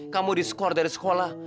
kamu diskor dari sekolah